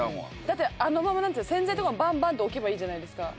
だってあのまま洗剤とかバンバンって置けばいいじゃないですか。